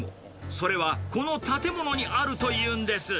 それはこの建物にあるというんです。